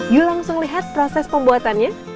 yuk langsung lihat proses pembuatannya